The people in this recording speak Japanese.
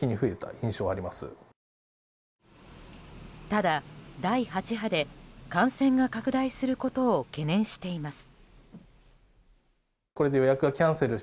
ただ、第８波で感染が拡大することを懸念しています。